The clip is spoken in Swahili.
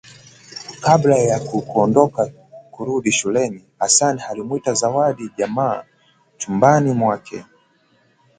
Kabla ya kuondoka kurudi shuleni Hassan alimwita Zawadi njama chumbani mwake